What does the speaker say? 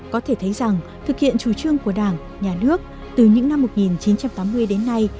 có thể thấy rằng thực hiện chủ trương của đảng nhà nước từ những năm một nghìn chín trăm tám mươi đến nay